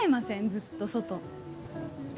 ずっと外。